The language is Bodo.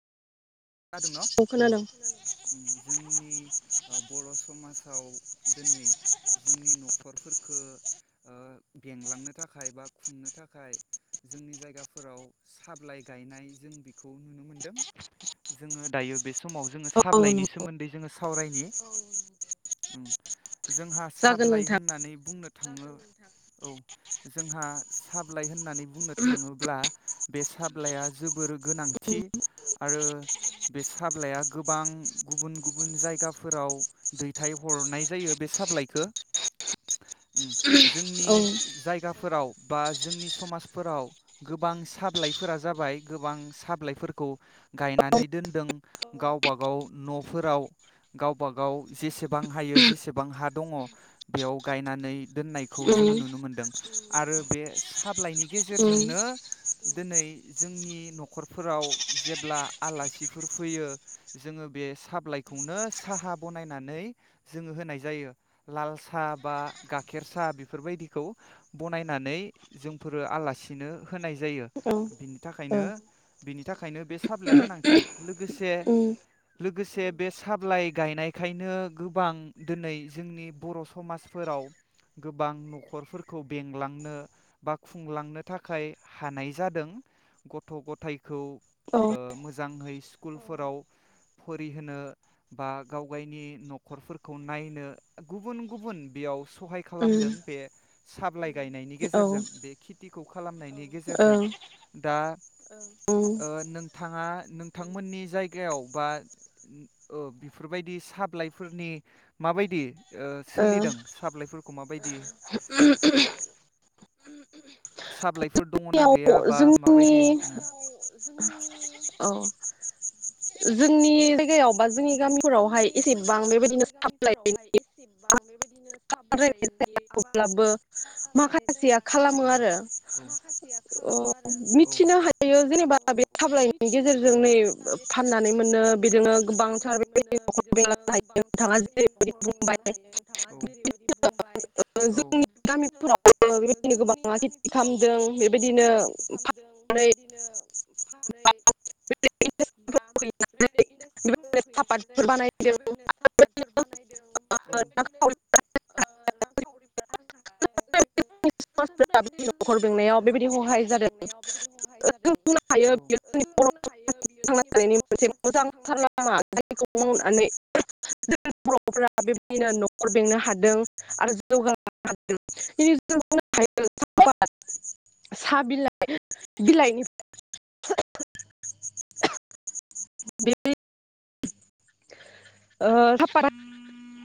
खोनादों औ खोनादों न' औ जोंनि ओ बर' समाजाव दोनै जोंनि न'खरफोरखो ओ बेंलांनो थाखाय बा खुंनो थाखाय जोंनि जायगाफोराव साब्लाइ गायनाय जों बेखौ नुनो मोनदों। जोंङो दायो बे समाव जोंङो औ औ साब्लायनि सोमोन्दै जोङो सावरायनि औ नंगौ उम। जोंहा जागोन साबलाय नोंथां होननानै बुंनो थाङो औ जोंहा साब्लाय होननानै बुंनो औ थाङोब्ला बे साब्लाया जोबोर गोनांथि आरो बे साब्लाइआ गोबां गुबुन गुबुन जायगाफोराव दैथायहरनाय जायो बे साब्लाइखो उम। जोंनि उम जायगाफोराव बा जोंनि समाजफोराव गोबां साब्लाइ फोरा जाबाय गोबां साबलाइफोरखौ गायनानै दोनदों गावबा गाव न'फोराव गावबा गाव जेसेबां हायो जेसेबां हा दङ बेयाव गायनानै दोननायखौ उम औ ओ जोंङो नुनो मोन्दों आरो बे साब ब्लायनि उम गेजेरजोंनो दोनै जोंनि न'खरफोराव जेब्ला आलासि बफोर फैयो जोंङो बे साब्लाइखौनो साहा बनायनानै जोंङो होनाय जायो लाल साहा बा गाखेर साहा बेफोरबायदिखौ बनायनानै जोंफोरो आलासिनो होनाय जायो औ बिनि थाखायनो बिनि थाखायनो बे साब्लाइया गोनांथि। लोगोसे उम लोगोसे बे साब्लाइ गायनायखायनो गोबां दिनै जोंनि बर' समाजफोराव गोबां न'खरफोरखौ बेंलांनो बा खुंलांनो थाखाय हानाय जादों गथ' गथाय खौ औ ओ मोज जांहै स्कुलफोराव फरिहोनो बा गावगायनि न'खरफोरखौ नायनो गुबुन गुबुन बेयाव सहाय खालामदों बे साब्लाय गायनायनि ओ उम ओ गेजेरजों बे खेथि खालामनायनि गेजेरजों दा ओ नोंथांङा नों थांमोननि जायगायाव बा ओ बिफोरबायदि साब्लाइफोरनि माबायदि ओ सोलिदों साब्लाइफोरखौ माबायदि साब्लाइ जोंनियाव जोंनि ओ औ। जोंनि जायगायावबा जोंनि। जोंनि गामिफोरावहाय एसेबां जायगायाव बा बेबायदिनो जोंनि साप्लाय गामिफोरावहाय एसेबां बेबायदिनो साबलायनि अब्लाबो आबाद खालामनाय जाया अब्लाबो माखासे अह मिथिनो हायो जेनेबा बे साब्लायनि गेजेरजों नै फाननानै मोनो बेजोंनो गोबां फाननानै मोनो बेजोंनो गोबांथार बेबायदि जेरैबायदि न'खराव बुंबाय बेंलांनो हायो नोंथाङा जेरैबायदि बुंबाय जोंनि बेबायदिनो गामिफोरावबो ओ बेबायदिनो जोंनि गोबाङा खेथि गामिफोरावबो खालामदों बेबायदिनो गोबाङा खेथि खालामदों बेबायदिनो फानै बानो सापातफोर बानायदों रांखावरि समाजफोरा न'खर बेंनायाव [unintelligible] बेबायदि हहाय जादों जों बुंनो हायो बियो जों बर'फोरनि थानायनि मोनसे मोजांथार लामा। खौ मावनानै जोंनि बर'फ बेबायदिनो न'खर बेंनो हादों आरो जौग हनो ह [unintelligible] [unintelligible]